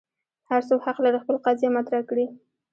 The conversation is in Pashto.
هر څوک حق لري خپل قضیه مطرح کړي.